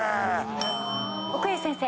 奥家先生。